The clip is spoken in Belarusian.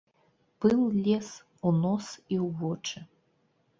Пыл лез у нос і ў вочы.